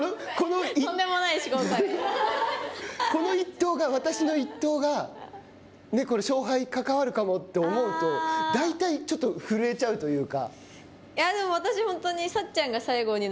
この一投が、私の一投が勝敗に関わるかもって思うと大体ちょっと震えちゃうというか。